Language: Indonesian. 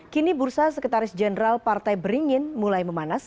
kini bursa sekretaris jenderal partai beringin mulai memanas